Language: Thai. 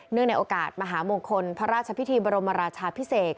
ในโอกาสมหามงคลพระราชพิธีบรมราชาพิเศษ